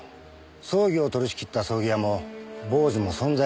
葬儀を取り仕切った葬儀屋も坊主も存在しません。